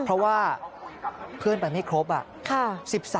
เพราะว่าเพื่อนไปไม่ครบอะ